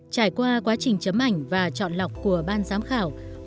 trải qua quá trình chấm ảnh và chọn lọc của ban giám khảo